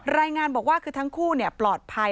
รายงานบอกว่าคือทั้งคู่ปลอดภัย